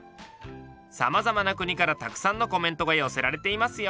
さまざまな国からたくさんのコメントが寄せられていますよ。